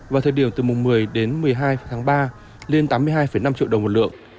vào thời điểm từ mùng một mươi đến một mươi hai tháng ba lên tám mươi hai năm triệu đồng một lượng